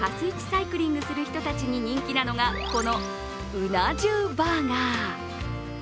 サイクリングする人たちに人気なのがこのうな重バーガー。